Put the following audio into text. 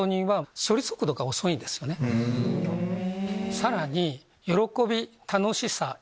さらに。